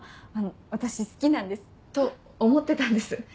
私好きなんです。と思ってたんですいつも